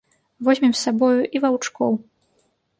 Возьмем з сабою і ваўчкоў.